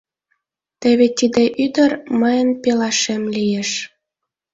Теве тиде ӱдыр мыйын пелашем лиеш.